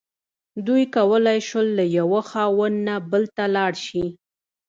دوی کولی شول له یوه خاوند نه بل ته لاړ شي.